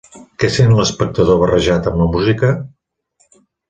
Què sent l'espectador barrejat amb la música?